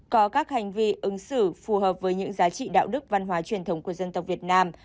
có các hành vi ứng xử phù hợp với những giá trị đạo đức văn hóa truyền thống của dân tộc việt nam